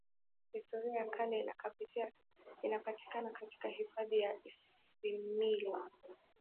historia ya kale inapatikana katika hifadhi ya isimila